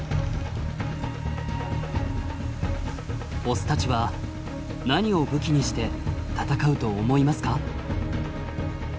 オスたちは何を武器にして戦うと思いますか？